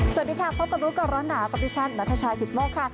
สวัสดีค่ะพบกันรู้กับร้อนหนากับดิฉันณฑชาขิตมกค่ะ